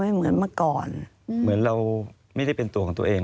เหมือนเราไม่ได้เป็นตัวของตัวเอง